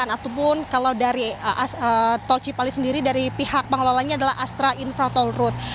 dan juga untuk yang lainnya kalau dari toci pali sendiri dari pihak pengelolaannya adalah astra infratol route